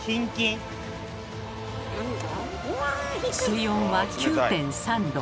水温は９．３℃。